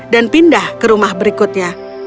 dan pindah ke rumah berikutnya